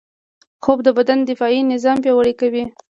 خوب د بدن دفاعي نظام پیاوړی کوي